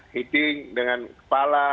heading dengan kepala